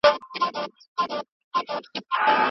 هغه ساتونکی د خپل کار له امله شرمنده و.